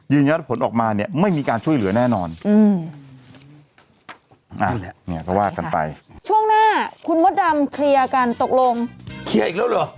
ยืนยันถ้าผลออกมาเนี่ย